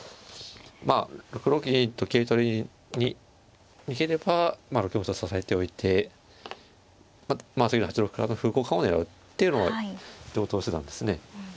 まあ６六銀と桂取りに逃げれば６四歩と支えておいて次の８六歩からの歩交換を狙うっていうのは常とう手段ですね。